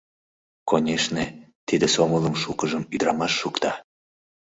Конешне, тиде сомылым шукыжым ӱдырамаш шукта.